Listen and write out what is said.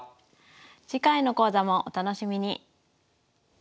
次回の講座もお楽しみに。